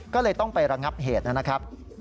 ก็เลยต้องไประงับเหตุนะครับ